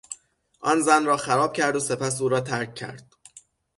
آن زن را خراب کرد و سپس او را ترک کرد.